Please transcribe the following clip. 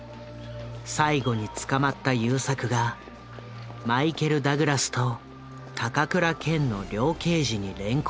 最後に捕まった優作がマイケル・ダグラスと高倉健の両刑事に連行される大阪府警のシーン。